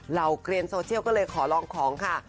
เออเราเกรนโซเชียลก็เลยขอลองของค่ะ